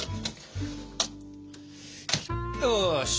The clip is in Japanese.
よし。